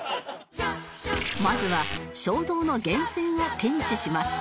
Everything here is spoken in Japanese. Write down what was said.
まずは衝動の源泉を検知します